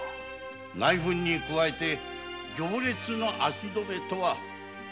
内紛に加えて行列の足止めとは。